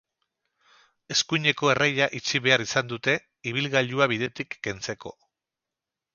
Eskuineko erreia itxi behar izan dute, ibilgailua bidetik kentzeko.